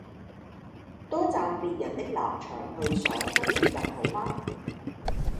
多站別人的立場去想不是更好嗎？